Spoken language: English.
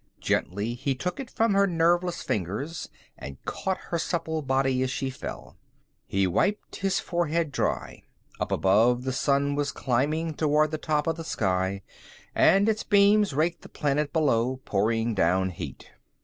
Gently, he took it from her nerveless fingers and caught her supple body as she fell. He wiped his forehead dry. Up above, the sun was climbing toward the top of the sky, and its beams raked the planet below, pouring down heat.